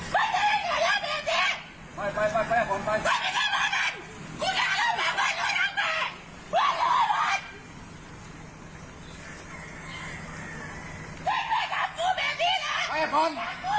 พระอาจารย์คน